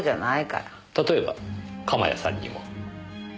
例えば鎌谷さんにも。